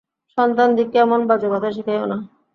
সন্তানদিগকে এমন বাজে কথা শিখাইও না।